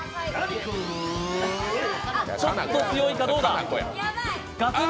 ちょっと強いか、どうだ。